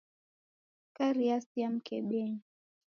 Skari yasia mkebenyi.